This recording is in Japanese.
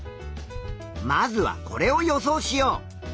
まずはこれを予想しよう。